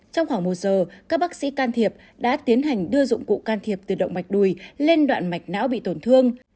trong khoảng một giờ các bác sĩ can thiệp đã tiến hành đưa dụng cụ can thiệp từ động mạch đùi lên đoạn mạch não bị tổn thương